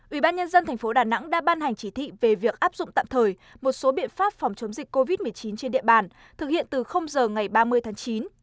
ủy ban nhân dân thành phố đà nẵng đã ban hành chỉ thị về việc áp dụng tạm thời một số biện pháp phòng chống dịch covid một mươi chín trên địa bàn thực hiện từ giờ ngày ba mươi tháng chín